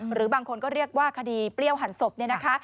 หรือบางคนก็เรียกว่าคดีเปรี้ยวหันศพเนี่ยนะคะ